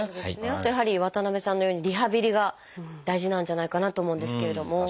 あとやはり渡辺さんのようにリハビリが大事なんじゃないかなと思うんですけれども。